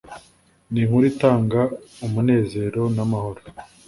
ni inkuru itanga umunezero n'amahoro